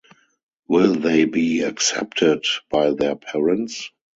Will they be accepted by their parents?